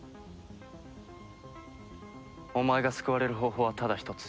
お前が救われる方法はただ一つ。